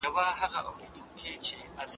که کمپیوټرونه پرمختګ هم وکړي قلم به خپل ځای ولري.